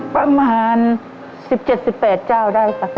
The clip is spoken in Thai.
ประมาณสิบเจ็ดสิบเป็ดเจ้าได้ครับ